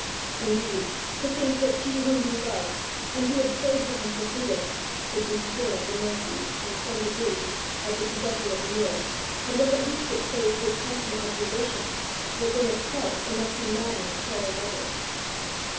Indeed, to think that she whom he loved, and who had prayed to him for freedom, should be still at the mercy, in some degree, of the possessor of the mirror, and was at least exposed to his constant observation, was in itself enough to madden a chary lover.